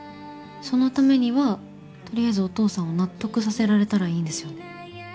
そのためにはとりあえずお父さんを納得させられたらいいんですよね。